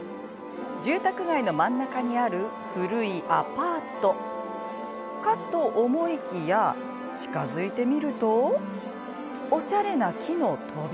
住宅街の真ん中にある古いアパートかと思いきや近づいてみるとおしゃれな木の扉。